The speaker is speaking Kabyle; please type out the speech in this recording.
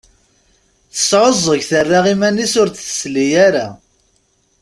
Tesεuẓẓeg, terra iman-is ur d-tesli ara.